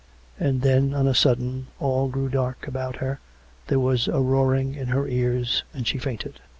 ... And then, on a sudden, all grew dark about her; there was a roaring in her ears, and she fainted.